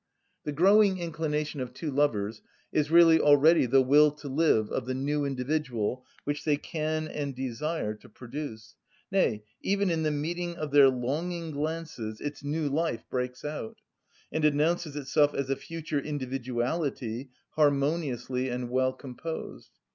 The growing inclination of two lovers is really already the will to live of the new individual which they can and desire to produce; nay, even in the meeting of their longing glances its new life breaks out, and announces itself as a future individuality harmoniously and well composed.